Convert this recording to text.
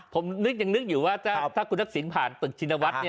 ผมนึกยังนึกอยู่ว่าถ้าคุณทักษิณผ่านตึกชินวัฒน์